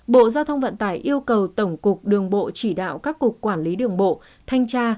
bộ giao thông vận tải yêu cầu tổng cục đường bộ chỉ đạo các cục quản lý đường bộ thanh tra